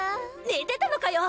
寝てたのかよ！